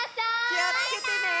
きをつけてね！